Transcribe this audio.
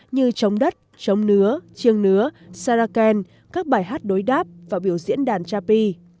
như trống đất trống nứa chiêng nứa saraken các bài hát đối đáp và biểu diễn đàn chapi